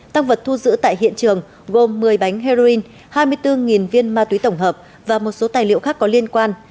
tăng vật thu giữ tại hiện trường gồm một mươi bánh heroin hai mươi bốn viên ma túy tổng hợp và một số tài liệu khác có liên quan